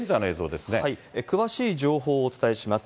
詳しい状況をお伝えします。